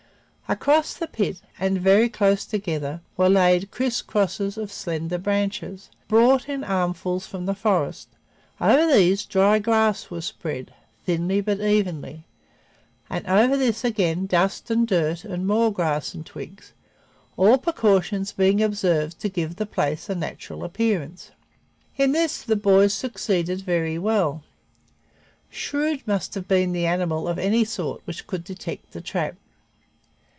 Across the pit, and very close together, were laid criss crosses of slender branches, brought in armfuls from the forest; over these dry grass was spread, thinly but evenly, and over this again dust and dirt and more grass and twigs, all precautions being observed to give the place a natural appearance. In this the boys succeeded very well. Shrewd must have been the animal of any sort which could detect the trap.